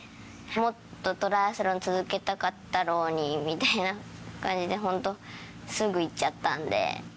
もっとトライアスロン、続けたかったろうに、みたいな感じで、本当、すぐいっちゃったんで。